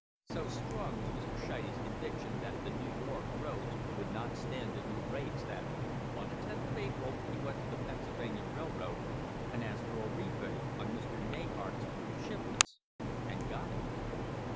So strong was Mr. Scheide's conviction that the New York roads would not stand the new rates that on the 10th of April he went to the Pennsylvania railroad and asked for a rebate on Mr. Neyhart's crude shipments — and got it.